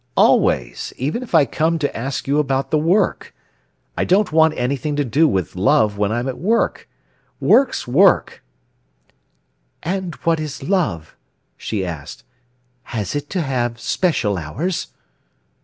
"Always, even if I come to ask you about the work. I don't want anything to do with love when I'm at work. Work's work—" "And what is love?" she asked. "Has it to have special hours?"